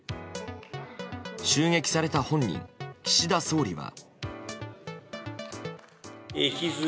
襲撃された本人、岸田総理は。